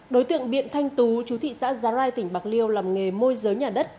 đối tượng biện thanh tú chú thị xã giá rai tỉnh bạc liêu làm nghề môi giới nhà đất